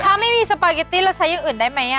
ถ้าไม่มีสปาเกตตี้เราใช้อย่างอื่นได้ไหม